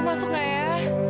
masuk gak ya